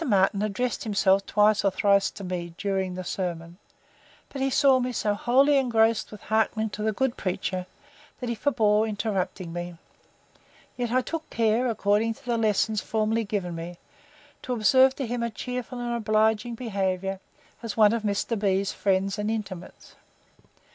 Martin addressed himself twice or thrice to me, during the sermon; but he saw me so wholly engrossed with hearkening to the good preacher, that he forbore interrupting me; yet I took care, according to the lessons formerly given me, to observe to him a cheerful and obliging behaviour, as one of Mr. B——'s friends and intimates.